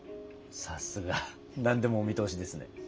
さすが。何でもお見通しですね。